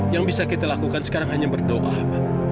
yang bisa kita lakukan sekarang hanya berdoa